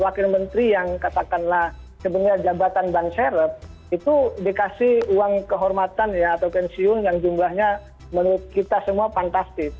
wakil menteri yang katakanlah sebenarnya jabatan ban serep itu dikasih uang kehormatan ya atau pensiun yang jumlahnya menurut kita semua fantastis